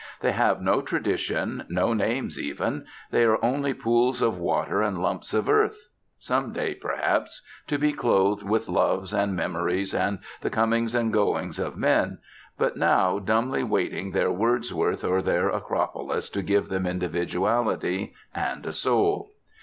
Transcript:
They have no tradition, no names even; they are only pools of water and lumps of earth, some day, perhaps, to be clothed with loves and memories and the comings and goings of men, but now dumbly waiting their Wordsworth or their Acropolis to give them individuality, and a soul.